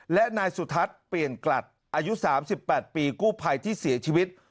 และนายสุทัศน์เปลี่ยนกลัดอายุ๓๘ปีกู้ภัยที่เสียชีวิต